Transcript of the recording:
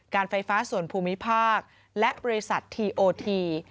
ไฟฟ้าส่วนภูมิภาคและบริษัททีโอที